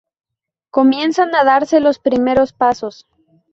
Comienzan a darse los primeros pasos.